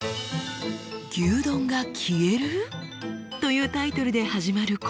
「牛丼が消える！？」というタイトルで始まるこの記事。